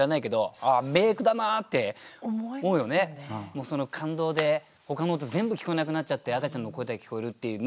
もうその感動でほかの音全部聞こえなくなっちゃって赤ちゃんの声だけ聞こえるっていうね。